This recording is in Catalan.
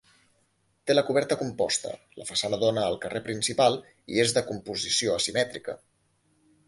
Té la coberta composta, la façana dóna al carrer principal i és de composició asimètrica.